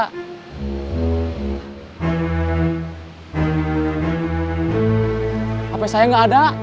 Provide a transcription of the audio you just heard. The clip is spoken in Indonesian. hape saya gak ada